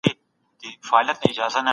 د سلام ځواب ورکول واجب دي.